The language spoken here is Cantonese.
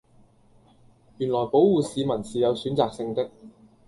原來保謢市民是有選擇性的